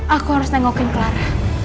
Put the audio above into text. aku harus tengokin clara